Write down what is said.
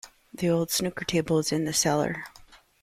The old snooker table is in the cellar.